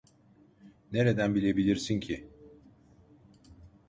Nereden bilebilirsin ki?